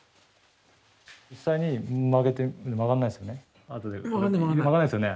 実際に曲げて曲がんないですよね。